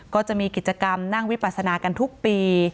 ก็จะมีกิจกรรมนั่งวิปัสนากันทุกปี